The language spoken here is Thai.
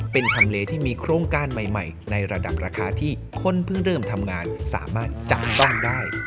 เป็นทำเลที่มีโครงการใหม่ในระดับราคาที่คนเพิ่งเริ่มทำงานสามารถจับต้องได้